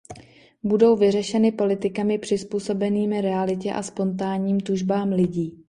Budou vyřešeny politikami přizpůsobenými realitě a spontánním tužbám lidí.